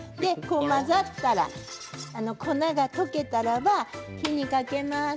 混ざったら粉が溶けたらば火にかけます。